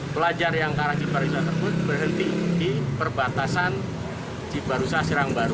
pelajar yang karang cibarusah terput berhenti di perbatasan cibarusah serang baru